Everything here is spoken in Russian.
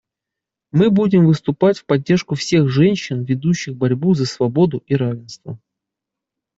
Мы будем выступать в поддержку всех женщин, ведущих борьбу за свободу и равенство.